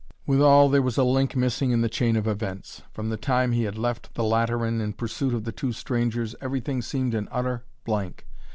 Withal there was a link missing in the chain of events. From the time he had left the Lateran in pursuit of the two strangers everything seemed an utter blank.